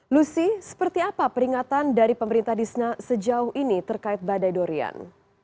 lucy seperti apa peringatan dari pemerintah disna sejauh ini terkait badai dorian